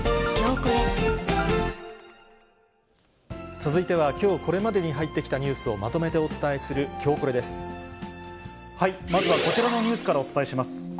続いては、きょうこれまでに入ってきたニュースをまとめてお伝えする、まずはこちらのニュースからお伝えします。